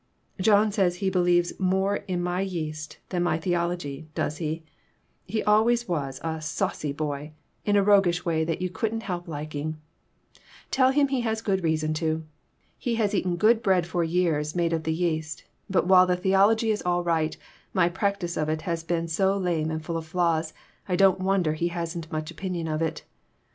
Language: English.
"John says he believes more in my yeast than my theology, does he? he always was a saucy 66 PERTURBATIONS. boy, in a roguish way that you couldn't help lik ing tell him he has good reason to. He has eaten good bread for years made of the yeast, but while the theology is all right, my practice of it has been so lame and full of flaws I don't wonder he hasn't much opinion of it.